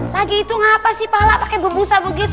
lagi itu apa pak ala pakai bebusa begitu